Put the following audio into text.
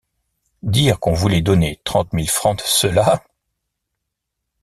Dire qu’on voulait donner trente mille francs de cela.